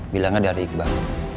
bilangnya dari iqbal